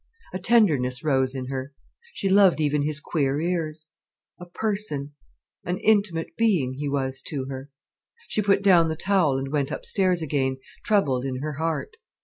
A tenderness rose in her, she loved even his queer ears. A person—an intimate being he was to her. She put down the towel and went upstairs again, troubled in her heart.